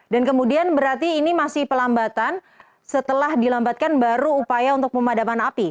dan kemudian berarti ini masih pelambatan setelah dilambatkan baru upaya untuk pemadaman api